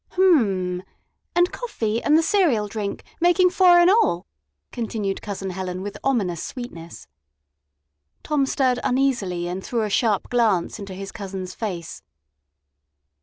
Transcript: "Hm m; and coffee and the cereal drink, making four in all?" continued Cousin Helen, with ominous sweetness. Tom stirred uneasily and threw a sharp glance into his cousin's face.